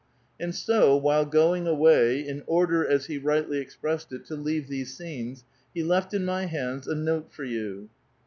*' And so, while going away, in order, as he rightl}' ex pressed it, ' to leave these scenes,* he left in my hands a note for you."